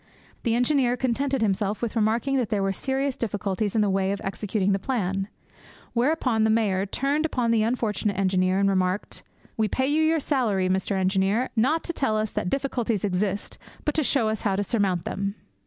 The engineer contented himself with remarking that there were serious difficulties in the way of the execution of the plan. Whereupon the Mayor turned upon the unfortunate engineer and remarked, 'We pay you your salary, Mr. Engineer, not to tell us that difficulties exist, but to show us how to surmount them!'